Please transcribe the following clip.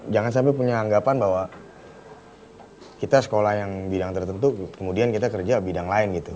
jangan sampai punya anggapan bahwa kita sekolah yang bidang tertentu kemudian kita kerja bidang lain gitu